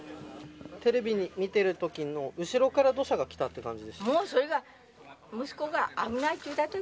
テレビを見ているときに後ろから土砂がきたっていう感じ。